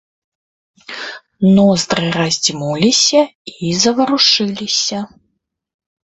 Ноздры раздзьмуліся і заварушыліся.